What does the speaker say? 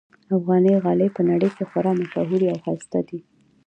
افغان غالۍ په نړۍ کې خورا ممشهوري اوښایسته دي